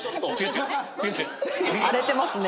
荒れてますね。